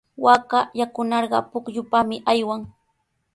Waaka yakunarqa pukyupami aywan.